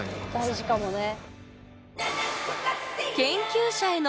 大事かもね。